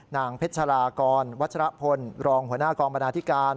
นางเพชรากรวัชรพลรองหัวหน้ากองบรรณาธิการ